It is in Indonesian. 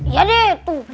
iya deh tuh